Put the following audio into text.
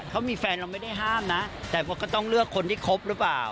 เขามีแฟนเราไม่ได้ห้ามนะแต่ก็ต้องเลือกคนที่คบหรือเปล่า